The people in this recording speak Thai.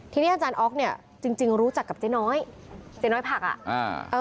ที่นี่อาจารย์ออกเนี่ยจริงรู้จักกับเจ๊น้อยจ๊ะน้อยผักอ่ะ